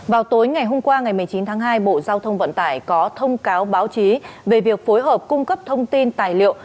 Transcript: vào tối ngày hôm qua ngày một mươi chín tháng hai bộ giao thông vận tải có thông cáo báo chí về việc phối hợp cung cấp thông tin tài liệu